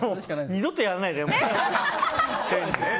二度とやらないでよ。